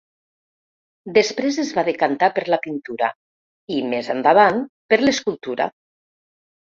Després es va decantar per la pintura i, més endavant, per l’escultura.